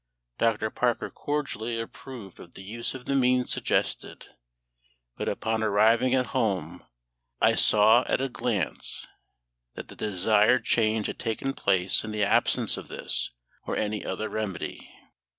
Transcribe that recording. Dr. Parker cordially approved of the use of the means suggested, but upon arriving at home I saw at a glance that the desired change had taken place in the absence of this or any other remedy.